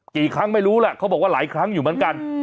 กี่ครั้งไม่รู้แหละเขาบอกว่าหลายครั้งอยู่เหมือนกัน